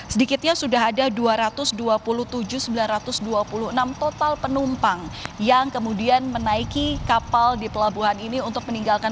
sedikitnya sudah ada dua ratus dua puluh tujuh sembilan ratus dua puluh enam total penumpang yang kemudian menaiki kapal di pelabuhan ini untuk meninggalkan